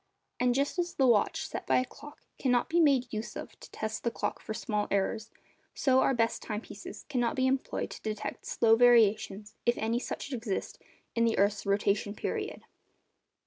And just as the watch set by a clock cannot be made use of to test the clock for small errors, so our best time pieces cannot be employed to detect slow variations, if any such exist, in the earth's rotation period.